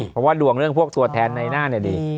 เพราะว่าดวงเรื่องพวกตัวแทนในหน้าเนี่ยดี